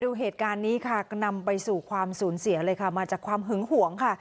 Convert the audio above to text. ดูเหตุการณ์นี้ค่ะนำไปสู่ความสูญเสียเลยค่ะมาจากความหึงหวงค่ะ